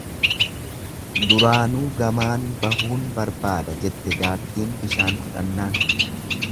Duraanuu gamaan bahuun barbaada jette jaartiin bishaan fudhannaan.